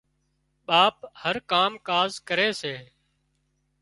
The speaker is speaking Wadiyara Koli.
ٻاپ هر ڪام ڪاز ڪري سي